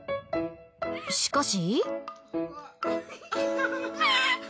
しかし。